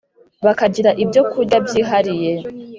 bakagira ibyokurya byihariye